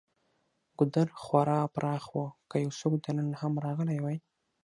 ګودر خورا پراخ و، که یو څوک دننه هم راغلی وای.